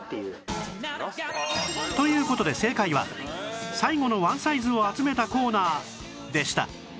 という事で正解は最後のワンサイズを集めたコーナーでした